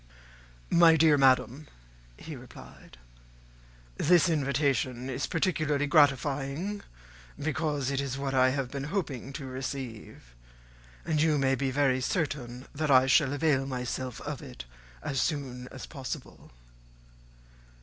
"My dear madam," he replied, "this invitation is particularly gratifying, because it is what I have been hoping to receive; and you may be very certain that I shall avail myself of it as soon as possible."